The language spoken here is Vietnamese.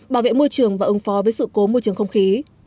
bảo vệ môi trường và ứng phó với sự cố môi trường không khí